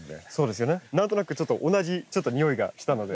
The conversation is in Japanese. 何となくちょっと同じにおいがしたので。